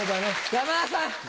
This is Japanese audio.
山田さん